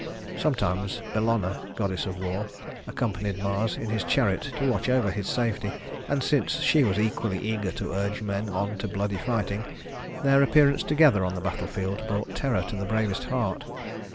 Sometimes Bellona, goddess of war, accompanied Mars in his chariot to watch over his safety; and since she was equally eager to urge men on to bloody fighting, their appearance together on the battle field brought terror to the bravest heart.